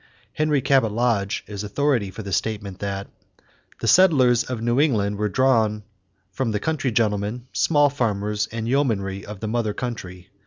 Henry Cabot Lodge is authority for the statement that "the settlers of New England were drawn from the country gentlemen, small farmers, and yeomanry of the mother country....